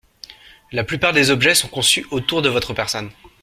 La plupart des objets sont conçus autour de votre personne.